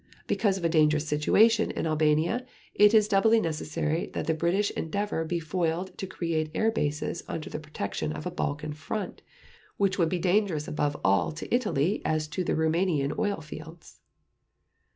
Because of a dangerous situation in Albania, it is doubly necessary that the British endeavor be foiled to create air bases under the protection of a Balkan front, which would be dangerous above all to Italy as to the Rumanian oilfields.